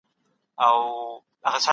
د محصولاتو تقاضا بدلون موندلی دی.